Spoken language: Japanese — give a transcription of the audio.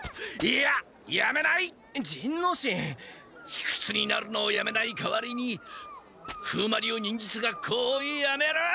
ひくつになるのをやめない代わりに風魔流忍術学校をやめる！